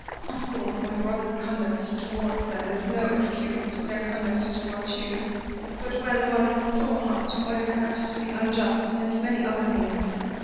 Of course my brother's conduct towards them is no excuse for their conduct towards you, but when one has a sore heart one is apt to be unjust, and many other things.